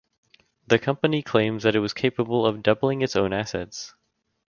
The company claims that it was capable of doubling its own assets.